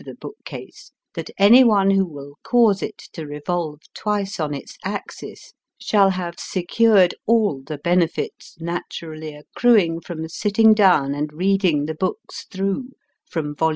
213 the book case that any one who will cause it to revolve twice on its axis shall have secured all the benefits naturally accruing from sitting down and reading the books through from vol.